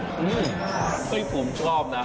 เข้าใจสุดครอบนะ